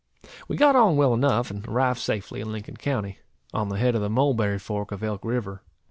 We got on well enough, and arrived safely in Lincoln county, on the head of the Mulberry fork of Elk river.